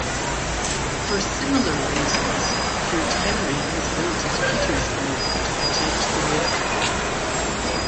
For similar reasons, Fort Henry was built at Petersburg to protect the river.